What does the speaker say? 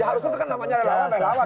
harusnya kan namanya relawan relawan